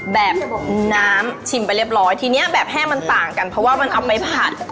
แบบน้ำชิมไปเรียบร้อยทีนี้แบบแห้งมันต่างกันเพราะว่ามันเอาไปผัด